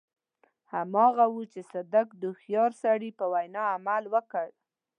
هماغه و چې صدک د هوښيار سړي په وينا عمل وکړ.